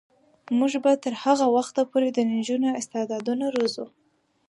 موږ به تر هغه وخته پورې د نجونو استعدادونه روزو.